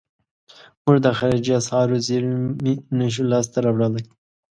موږ د خارجي اسعارو زیرمې نشو لاس ته راوړلای.